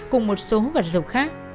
cùng một số hút vật dầu khác